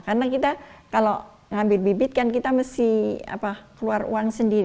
karena kita kalau ngambil bibit kan kita mesti keluar uang sendiri